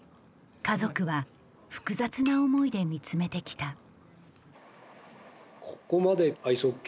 家族は複雑な思いで見つめてきた。